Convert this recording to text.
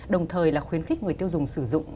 đồng thời là khuyến khích người tiêu dùng sử dụng